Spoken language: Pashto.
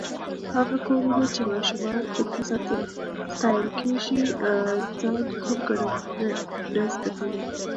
هغه کورونه چې ماشومان پکې ستايل کېږي، ځان کم ګڼل نه زده کوي.